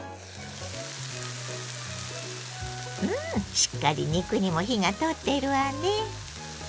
うんしっかり肉にも火が通っているわね。